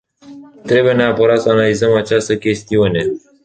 Trebuie neapărat să analizăm această chestiune.